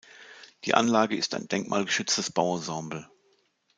Die Anlage ist ein denkmalgeschütztes Bauensemble.